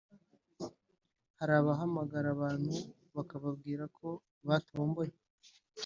Hari abahamagara abantu bakababwira ko batomboye